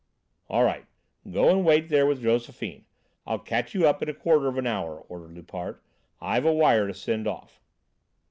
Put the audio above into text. "All right. Go and wait there with Josephine. I'll catch you up in a quarter of an hour," ordered Loupart. "I've a wire to send off."